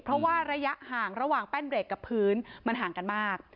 เพราะว่าระยะห่างระหว่างแป้นเบรกกับพื้นมันห่างกันมาก